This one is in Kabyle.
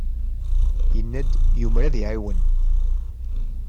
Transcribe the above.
Yenna-d yumer ad iɛiwen.